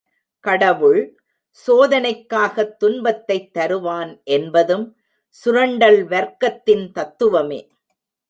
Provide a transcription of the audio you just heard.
கடவுள், சோதனைக்காகத் துன்பத்தைத் தருவான் என்பதும் சுரண்டல் வர்க்கத்தின் தத்துவமே.